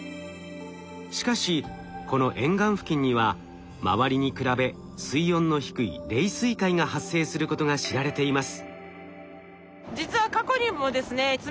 しかしこの沿岸付近には周りに比べ水温の低い冷水塊が発生することが知られています。